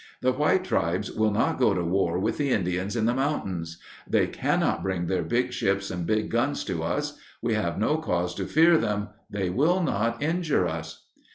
The white tribes will not go to war with the Indians in the mountains. They cannot bring their big ships and big guns to us; we have no cause to fear them. They will not injure us."